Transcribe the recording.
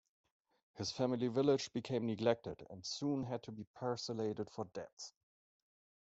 His family village became neglected and soon had to be parcellated for debts.